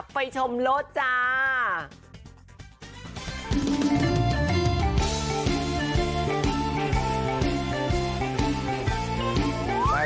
ไปชมรสจ้า